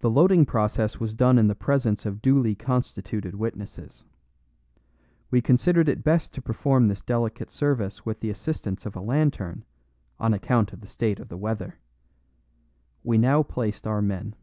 The loading process was done in the presence of duly constituted witnesses. We considered it best to perform this delicate service with the assistance of a lantern, on account of the state of the weather. We now placed our men.